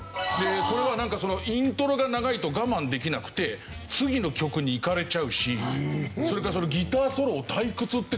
これはイントロが長いと我慢できなくて次の曲にいかれちゃうしそれからギターソロを退屈って感じるらしい。